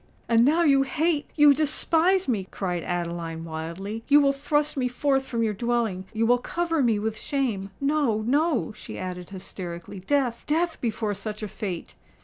"And now you hate—you despise me!" cried Adeline, wildly: "you will thrust me forth from your dwelling—you will cover me with shame! No—no," she added hysterically, "death—death before such a fate!"